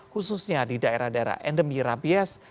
khususnya di daerah daerah endemi rabies